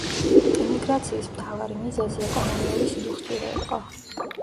ემიგრაციის მთავარი მიზეზი ეკონომიური სიდუხჭირე იყო.